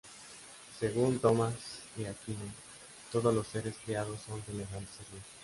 Según Tomás de Aquino, todos los seres creados son semejantes a Dios.